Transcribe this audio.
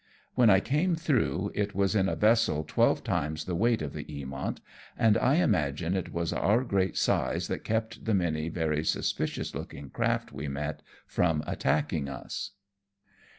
When I came through, it was in a vessel twelve times the weight of the Eamont, and I imagine it was our great size that kept the many very suspicious looking craft we met from attacking us.